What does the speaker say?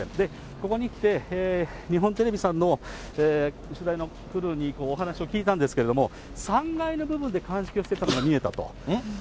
ここに来て、日本テレビさんの、取材のクルーにお話を聞いたんですけども、３階の部分で鑑識をしていたのが見えたと。